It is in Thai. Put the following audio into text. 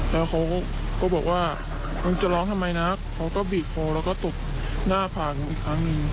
แล้วเขาก็บอกว่ามึงจะร้องทำไมนะเขาก็บีบคอแล้วก็ตบหน้าผ่านอีกครั้งหนึ่ง